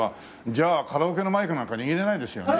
じゃあカラオケのマイクなんか握れないですよね。